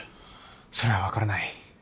それは分からない。